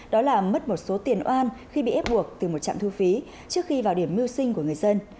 đó là mất một số tiền oan khi bị ép buộc từ một trạm thu phí trước khi vào điểm mưu sinh của người dân